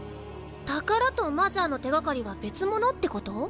宝とマザーの手掛かりは別物ってこと？